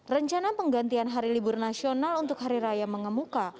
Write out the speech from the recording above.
rencana penggantian hari libur nasional untuk hari raya mengemuka